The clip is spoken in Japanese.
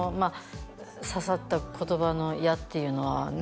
刺さった言葉の矢っていうのはね